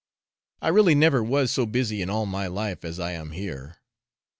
I really never was so busy in all my life, as I am here.